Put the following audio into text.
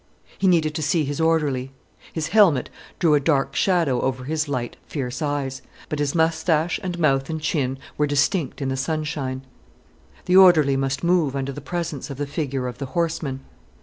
He needed to see his orderly. His helmet threw a dark shadow over his light, fierce eyes, but his moustache and mouth and chin were distinct in the sunshine. The orderly must move under the presence of the figure of the horseman.